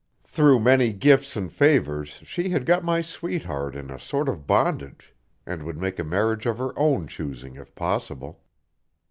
Through many gifts and favours she had got my sweetheart in a sort of bondage and would make a marriage of her own choosing if possible.